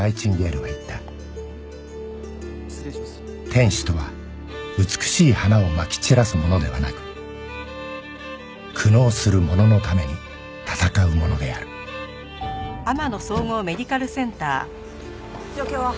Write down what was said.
「天使とは美しい花を撒き散らす者ではなく苦悩する者のために戦う者である」状況は？